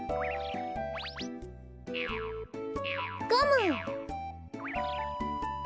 ゴム！